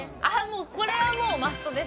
もうこれはもうマストです